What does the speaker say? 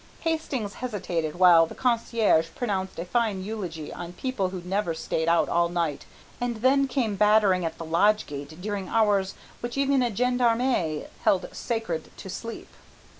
Hastings hesitated while the concierge pronounced a fine eulogy on people who never stayed out all night and then came battering at the lodge gate during hours which even a gendarme held sacred to sleep.